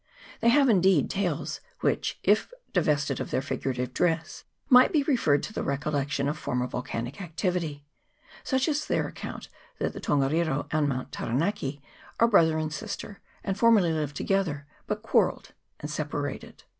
They have, in deed, tales which, if divested of their figurative dress, might be referred to the recollection of former vol canic activity : such is their account that the Ton gariro and Mount Taranaki are brother and sister, and formerly lived together, but quarrelled and se parated.